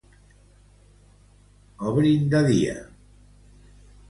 Obrin de dia.